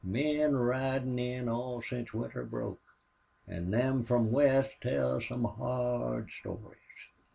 Men ridin' in all since winter broke. An' them from west tell some hard stories."